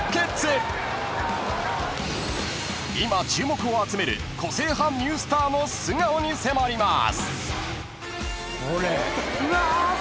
［今注目を集める個性派ニュースターの素顔に迫ります］